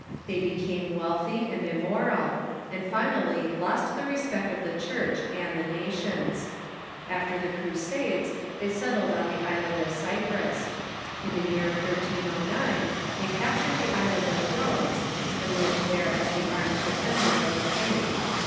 They became wealthy and immoral, and finally lost the respect of the Church and the nations. After the Crusades they settled on the island of Cyprus. In the year 1309 they captured the island of Rhodes, and lived there as the armed defenders of the faith.